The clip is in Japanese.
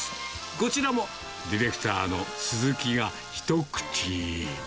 こちらもディレクターのすずきが一口。